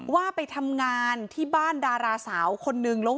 ว่าไปทำงานที่บ้านดาราสาวคนนึง